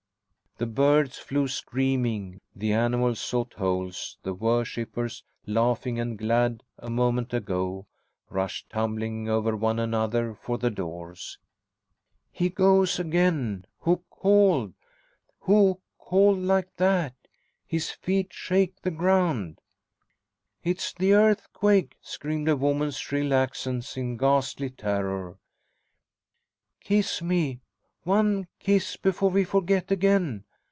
The birds flew screaming, the animals sought holes, the worshippers, laughing and glad a moment ago, rushed tumbling over one another for the doors. "He goes again! Who called? Who called like that? His feet shake the ground!" "It is the earthquake!" screamed a woman's shrill accents in ghastly terror. "Kiss me one kiss before we forget again...!"